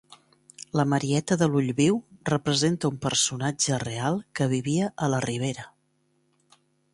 La Marieta de l'Ull Viu representa un personatge real que vivia a la Ribera.